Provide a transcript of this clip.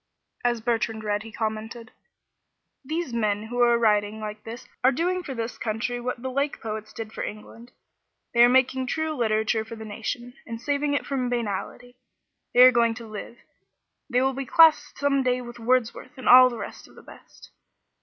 As Bertrand read he commented. "These men who are writing like this are doing for this country what the Lake Poets did for England. They are making true literature for the nation, and saving it from banality. They are going to live. They will be classed some day with Wordsworth and all the rest of the best.